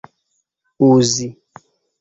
uzi